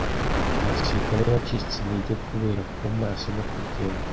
Umusirikare wacitse intege kubera kuba maso no kugenda